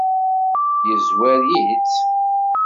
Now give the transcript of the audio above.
Yezwar-itt?